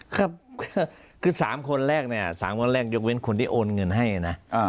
ครับคือ๓คนแรกเนี่ย๓วันแรกยกเว้นคนที่โอนเงินให้นะ